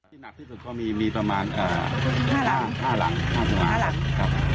ที่หนักที่สุดก็มีมีประมาณอ่าห้าหลังห้าหลังห้าหลังครับ